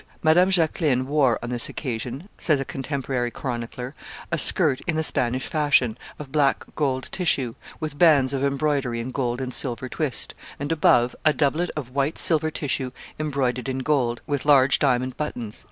"Madame Jacqueline wore, on this occasion," says a contemporary chronicler, "a skirt in the Spanish fashion, of black gold tissue, with bands of embroidery in gold and silver twist, and, above, a doublet of white silver tissue embroidered in gold, with large diamond buttons."